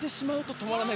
止まらない。